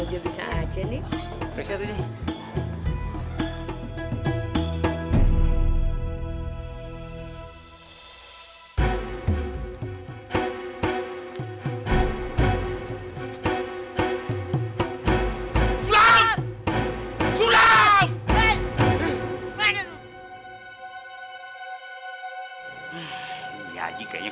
tuh masuk aja deh biar sulam yang ngadepin